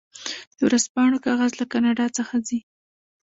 د ورځپاڼو کاغذ له کاناډا څخه ځي.